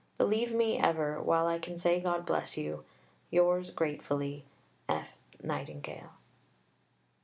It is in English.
Believe me ever, while I can say God bless you, yours gratefully, F. NIGHTINGALE.